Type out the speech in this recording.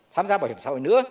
tham gia bảo hiểm xã hội nữa